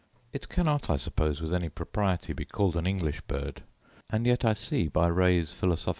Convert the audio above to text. It cannot, I suppose, with any propriety, be called an English bird: and yet I see, by Ray's Philosoph.